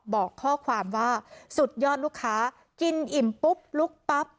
บอกข้อความว่าสุดยอดลูกค้ากินอิ่มปุ๊บลุกปั๊บ